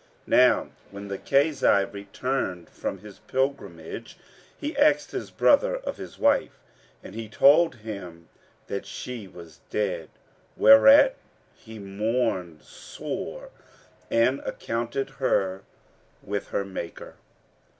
Now when the Kazi returned from his pilgrimage, he asked his brother of his wife, and he told him that she was dead, whereat he mourned sore and accounted her with her Maker.